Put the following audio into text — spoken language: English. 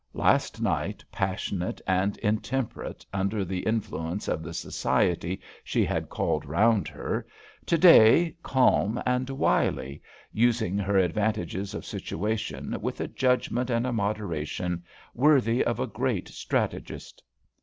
Last night passionate and intemperate under the influence of the society she had called round her: to day calm and wily, using her advantages of situation with a judgment and a moderation worthy of a great strategist.